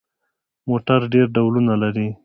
موټر ډېر ډولونه لري.